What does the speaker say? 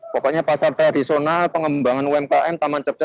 pokoknya pasar teradicional pengembangan umkm taman cepja